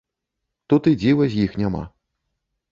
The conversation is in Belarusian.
Тут і дзіва з іх няма.